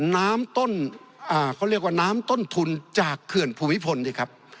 น้ำต้นอ่าเขาเรียกว่าน้ำต้นทุนจากเขื่อนภูมิพลสิครับ